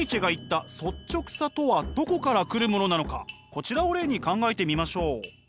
こちらを例に考えてみましょう。